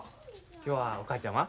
今日はお母ちゃんは？